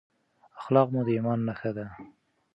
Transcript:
اخلاق مو د ایمان نښه ده.